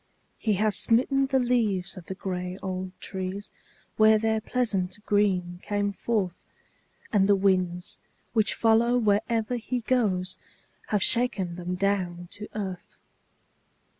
He has smitten the leaves of the gray old trees where their pleasant green came forth, And the winds, which follow wherever he goes, have shaken them down to earth.